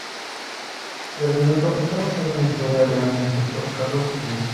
El argumento está basado en la historia real del director Carlos Iglesias.